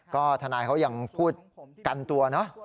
ก็ทนายเขายังพูดกันตัวเนอะ